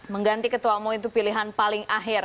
mengganti ketua umum itu pilihan paling akhir